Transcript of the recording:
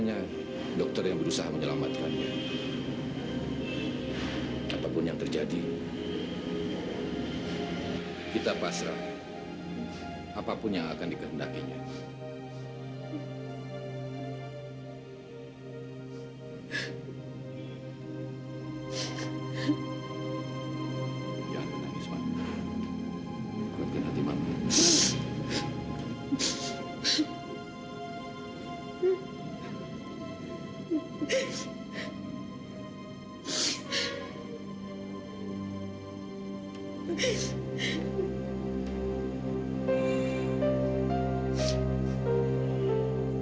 aku berada di atas tahta